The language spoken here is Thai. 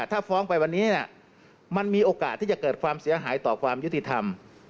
ถ้าฟ้องไปวันนี้มันมีโอกาสที่จะเกิดความเสียหายต่อความยุติธรรม